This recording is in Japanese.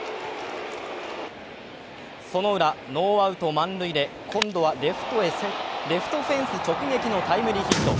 そのウラ、ノーアウト満塁で今度はレフトフェンス直撃のタイムリーヒット。